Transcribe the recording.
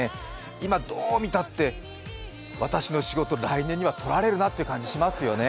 今、どう見たって、私の仕事来年にはとられるなって感じしますよね。